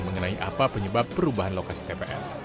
mengenai apa penyebab perubahan lokasi tps